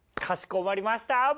かしこまりました。